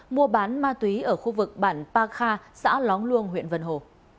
mua bán ma túy ở khu vực bản pa kha xã lóng luông huyện vân hồ